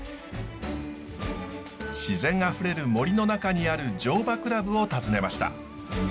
自然あふれる森の中にある乗馬クラブを訪ねました。